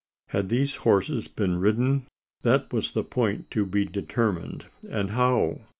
Had these horses been ridden? That was the point to be determined, and how?